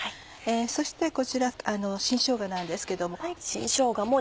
そしてこちら新しょうがなんですけども。